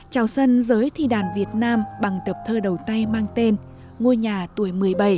chào sân giới thi đàn việt nam bằng tập thơ đầu tay mang tên ngôi nhà tuổi một mươi bảy